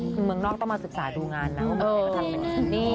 เมืองนอกต้องมาจึบสายดูงานนะว่าเมื่อกี้จะทำยังไง